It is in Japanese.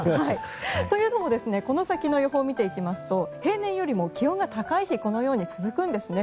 というのも、この先の予報を見ていきますと平年よりも気温が高い日このように続くんですね。